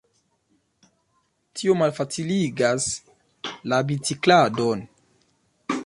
Tio malfaciligas la bicikladon.